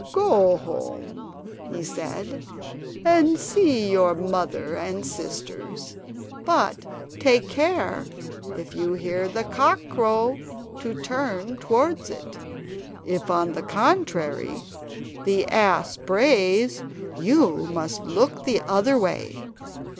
"Go home," he said, "and see your mother and sisters; but take care if you hear the cock crow to turn towards it; if on the contrary the ass brays, you must look the other way."